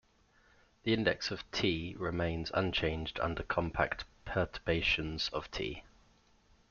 The index of "T" remains unchanged under compact perturbations of "T".